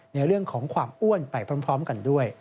ในเรื่องของความอ้วนไปพร้อมกันด้วย